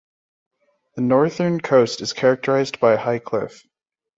The northern coast is characterized by a high cliff.